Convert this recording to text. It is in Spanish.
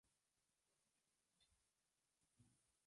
El libro está actualmente descatalogado.